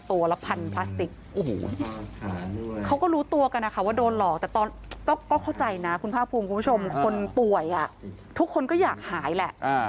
ตัวกันนะคะว่าโดนหลอกแต่ตอนก็เข้าใจนะคุณภาคภูมิคุณผู้ชมคนป่วยอ่ะทุกคนก็อยากหายแหละอ่า